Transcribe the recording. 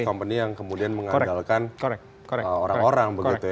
company yang kemudian mengandalkan orang orang begitu ya